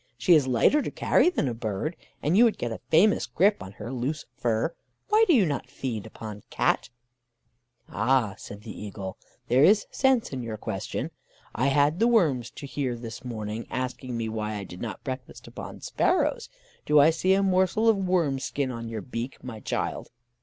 She is lighter to carry than a bird, and you would get a famous grip in her loose fur. Why do you not feed upon Cat?' "'Ah!' said the eagle, 'there is sense in your question. I had the worms to hear this morning, asking me why I did not breakfast upon sparrows. Do I see a morsel of worm's skin on your beak, my child?